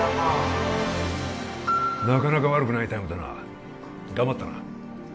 なかなか悪くないタイムだな頑張ったな